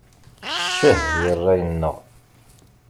Ccah di ṛṛay-nneɣ!